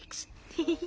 フフフ！